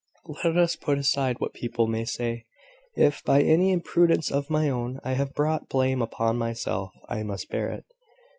"Let us put aside what people may say. If, by any imprudence of my own, I have brought blame upon myself, I must bear it.